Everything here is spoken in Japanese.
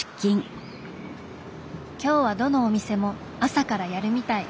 今日はどのお店も朝からやるみたい。